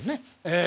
ええ。